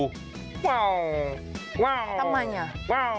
ว้าวว้าวว้าวว้าวว้าวว้าวว้าวว้าวว้าวว้าว